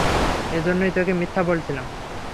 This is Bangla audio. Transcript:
এজন্যই তোকে মিথ্যা বলেছিলাম।